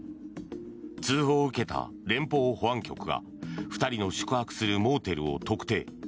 通報を受けた連邦保安局が２人の宿泊するモーテルを特定。